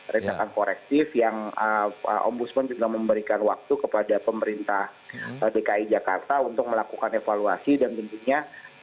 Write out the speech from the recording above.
retakan korektif yang ombudsman juga memberikan waktu kepada pemerintah dki jakarta untuk melakukan evaluasi dan tentunya